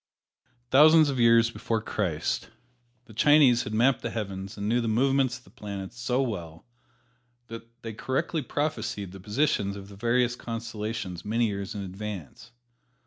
Thousands of years before Christ, the Chinese had mapped the heavens and knew the movements of the planets so well that they correctly prophesied the positions of the various constellations many years in advance.